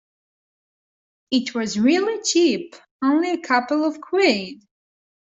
It was really cheap! Only a couple of quid!